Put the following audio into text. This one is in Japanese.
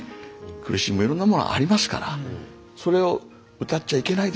苦しみもいろんなものありますからそれを歌っちゃいけないですかって僕は言うんですよね。